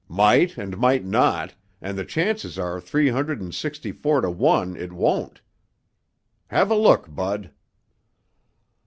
Might and might not, and the chances are three hundred and sixty four to one it won't. Have a look, Bud."